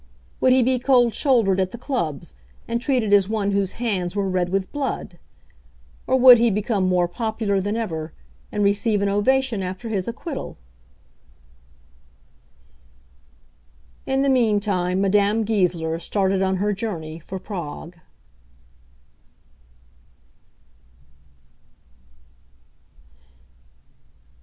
Would he be cold shouldered at the clubs, and treated as one whose hands were red with blood? or would he become more popular than ever, and receive an ovation after his acquittal? In the meantime Madame Goesler started on her journey for Prague.